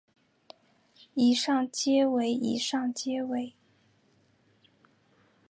以上皆为以上皆为